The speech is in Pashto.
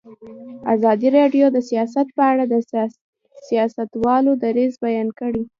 ازادي راډیو د سیاست په اړه د سیاستوالو دریځ بیان کړی.